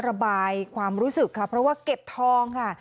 ระบายความรู้สึกค่ะเพราะว่าเก็บทองค่ะ